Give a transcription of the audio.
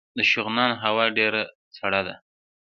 د شغنان هوا ډیره سړه ده